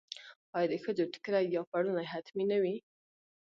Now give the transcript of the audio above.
آیا د ښځو ټیکری یا پړونی حتمي نه وي؟